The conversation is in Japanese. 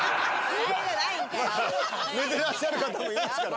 寝てらっしゃる方もいますから。